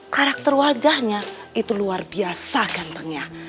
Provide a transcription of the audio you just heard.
karakter wajahnya itu luar biasa gantengnya